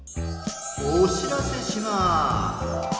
おしらせします。